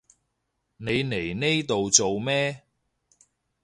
你嚟呢度做咩？